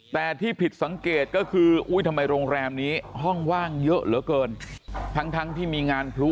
แต่ที่ผิดสังเกตก็คืออุ้ยทำไมโรงแรมนี้ห้องว่างเยอะเหลือเกินทั้งที่มีงานพลุ